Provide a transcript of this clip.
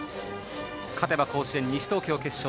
勝てば甲子園の西東京決勝。